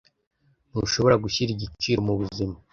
Ntushobora gushyira igiciro mubuzima.